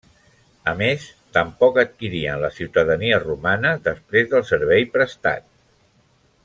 A més, tampoc adquirien la ciutadania romana després del servei prestat.